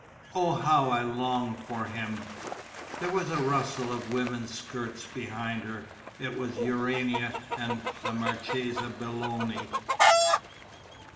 "Oh, how I long for him!..." There was a rustle of women's skirts behind her. It was Urania and the Marchesa Belloni.